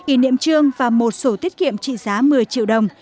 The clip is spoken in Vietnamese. ý niệm trương và một sổ tiết kiệm trị giá một mươi triệu đồng